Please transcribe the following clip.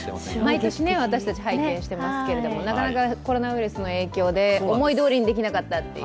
毎年私たち拝見していますけれども、なかなかコロナウイルスの影響で思いどおりにできなかったという。